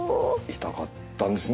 痛かったですね。